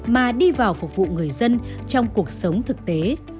mà đi vào phục vụ người dân trong cuộc sống thực tế